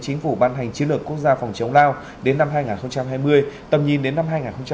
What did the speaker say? chính phủ ban hành chiến lược quốc gia phòng chống lao đến năm hai nghìn hai mươi tầm nhìn đến năm hai nghìn ba mươi